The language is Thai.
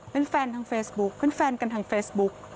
เป็นแฟนทางเฟซบุ๊กเป็นแฟนกันทางเฟซบุ๊ก